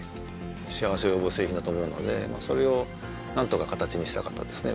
幸せを呼ぶ製品だと思うのでそれをなんとか形にしたかったですね